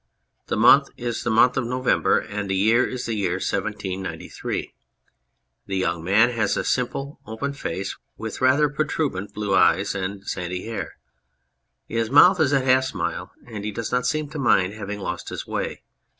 The month is the month of November, and the year i,i the year 1793. The young man has a simple, open face, with rather protuberant blue eyes and sandy hair. His mouth is at a half smile, and he does not seem to mind having lost his way.